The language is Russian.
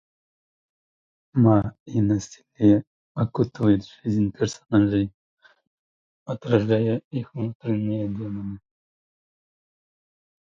Тьма и насилие окутывают жизнь персонажей, отражая их внутренние демоны.